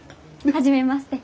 初めまして。